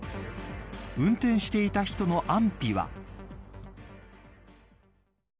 運転していた人の安否は。